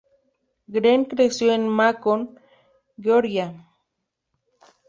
Greene creció en Macon, Georgia.